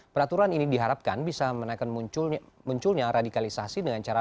peraturan ini diharapkan bisa menaikkan munculnya radikalisasi dengan cara